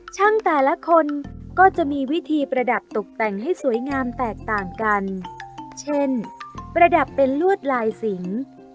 แต่ละคนก็จะมีวิธีประดับตกแต่งให้สวยงามแตกต่างกันเช่นประดับเป็นลวดลายสิง